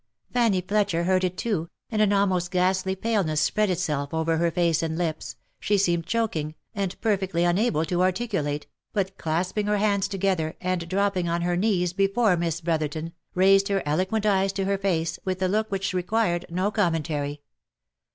Fanny Fletcher heard it too, and an almost ghastly OF MICHAEL ARMSTRONG. 259 paleness spread itself over her face and lips, she seemed choking, and perfectly unable to articulate, but clasping her hands together, and dropping on her knees before Miss Brotherton, raised her eloquent eyes to her face with a look which required no commentary.